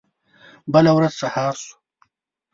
بله ورځ سهار شو.